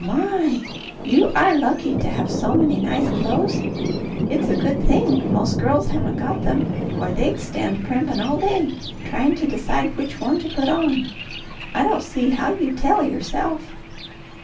My! You are lucky to have so many nice clothes. It's a good thing most girls haven't got them, or they'd stand primpin' all day tryin' to decide which one to put on. I don't see how you tell yourself."